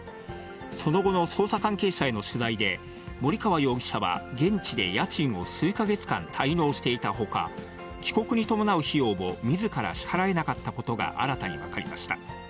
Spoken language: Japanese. その後の捜査関係者への取材で、森川容疑者は現地で家賃を数か月間滞納していたほか、帰国に伴う費用もみずから支払えなかったことが、新たに分かりました。